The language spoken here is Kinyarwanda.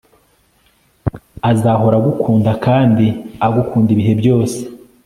azahora agukunda kandi agukunda ibihe byose